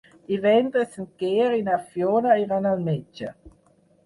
Divendres en Quer i na Fiona iran al metge.